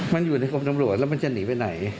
มันอยู่ในกรมตำรวจแล้วมันจะหนีไปไหน